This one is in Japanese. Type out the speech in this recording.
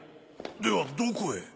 ではどこへ？